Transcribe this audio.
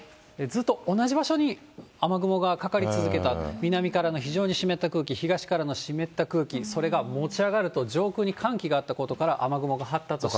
ずっと同じ場所に雨雲がかかり続けた、南からの非常に湿った空気、東からの湿った空気、それが持ち上がると、上空に寒気があったことから、雨雲が発達し。